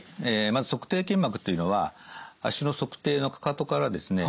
まず足底腱膜っていうのは足の足底のかかとからですね